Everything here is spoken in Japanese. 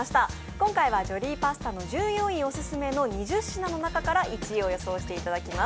今回はジョリーパスタの従業員オススメの１位を予想していただきます。